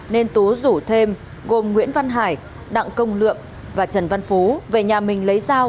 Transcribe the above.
nên tú rủ thêm gồm nguyễn văn hải đặng công lượm và trần văn phú về nhà mình lấy dao